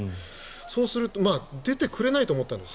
そもそも出てくれないと思ったんです。